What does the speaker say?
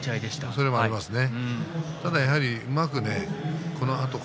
それもありますね。